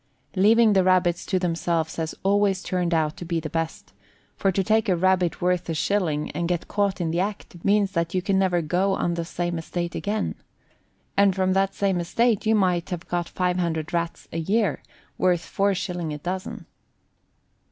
Leaving the rabbits to themselves has always turned out to be the best, for to take a rabbit worth a shilling, and get caught in the act, means that you can never go on the same estate again. And from that same estate you might have got 500 Rats in a year, worth four shillings a dozen.